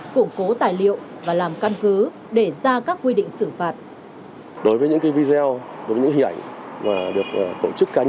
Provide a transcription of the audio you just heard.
củng cố tài liệu và làm căn cứ để ra các quy định xử phạt